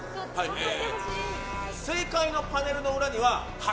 正解のパネルの裏には初！